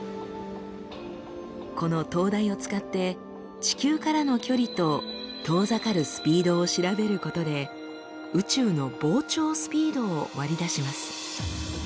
この灯台を使って地球からの距離と遠ざかるスピードを調べることで宇宙の膨張スピードを割り出します。